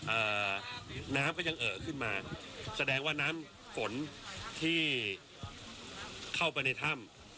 อ่าน้ำก็ยังเอ่อขึ้นมาแสดงว่าน้ำฝนที่เข้าไปในถ้ำ